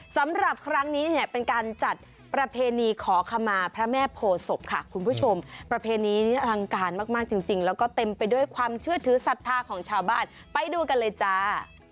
สำหรับครั้งนี้เนี่ยเป็นการจัดประเพณีขอขมาพระแม่โพศพค่ะคุณผู้ชมประเพณีนี้อลังการมากจริงแล้วก็เต็มไปด้วยความเชื่อถือศรัทธาของชาวบ้านไปดูกันเลยจ้า